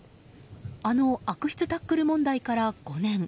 あの悪質タックル問題から５年。